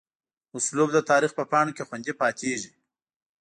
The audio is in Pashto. اسلوب دَ تاريخ پۀ پاڼو کښې خوندي پاتې کيږي